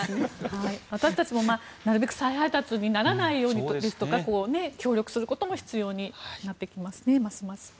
私たちもなるべく再配達にならないようにですとか協力することも必要になってきますねますます。